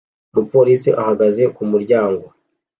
Umupolisi ahagaze ku muryango